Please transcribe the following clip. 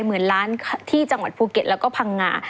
หมื่นล้านที่จังหวัดภูเก็ตแล้วก็พังงา